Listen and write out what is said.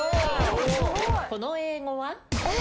この英語は？えっ。